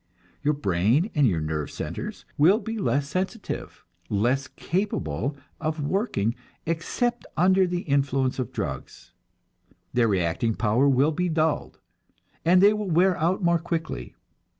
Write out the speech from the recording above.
Your brain and your nerve centers will be less sensitive, less capable of working except under the influence of drugs; their reacting power will be dulled, and they will wear out more quickly.